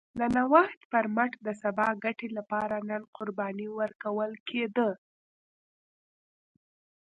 د نوښت پر مټ د سبا ګټې لپاره نن قرباني ورکول نه کېده